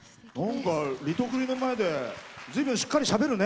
リトグリの前でずいぶんしっかりしゃべるね。